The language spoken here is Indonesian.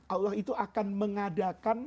allah itu akan mengadakan